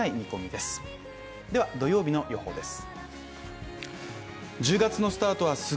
では土曜日の予報です。